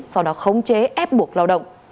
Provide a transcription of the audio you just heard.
sau đó khống chế ép buộc lao động